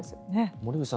森口さん